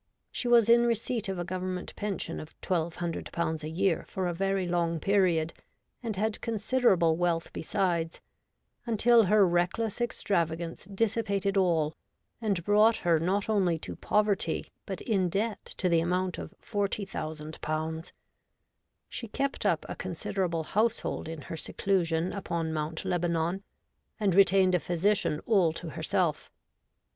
She was in receipt of a Government pension of 1 200/. a year for a very long period, and had considerable wealth besides, until her reckless extravagance dissipated all and brought her not only to poverty, but in debt to the amount of 40,000/. She kept up a considerable household in her seclusion upon Mount Lebanon, and retained a physician all to her self.